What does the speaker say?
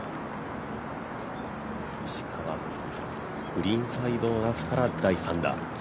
石川、グリーンサイドのラフから第３打。